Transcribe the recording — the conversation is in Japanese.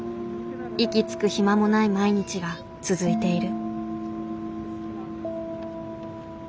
息つく暇もない毎日が続いている。